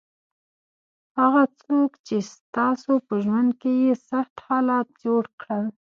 هغه څوک چې تاسو په ژوند کې یې سخت حالات جوړ کړل.